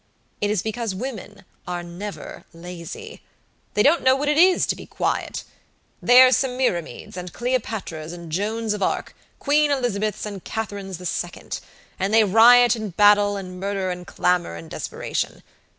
It is because women are never lazy. They don't know what it is to be quiet. They are Semiramides, and Cleopatras, and Joans of Arc, Queen Elizabeths, and Catharines the Second, and they riot in battle, and murder, and clamor and desperation.